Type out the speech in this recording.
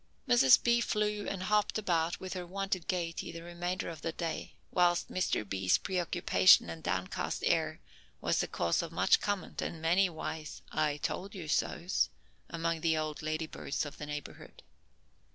Mrs. B. flew and hopped about with her wonted gaiety the remainder of the day, whilst Mr. B.'s preoccupation and downcast air was the cause of much comment and many wise "I told you so's," among the old lady birds of the neighborhood.